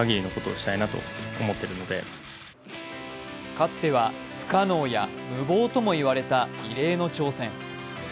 かつては不可能や無謀とも言われた異例の挑戦。